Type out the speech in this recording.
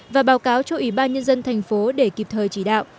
và báo cáo cho ủy ban nhân dân tp để kịp thời chỉ đạo